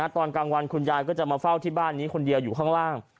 ตอนกลางวันคุณยายก็จะมาเฝ้าที่บ้านนี้คนเดียวอยู่ข้างล่าง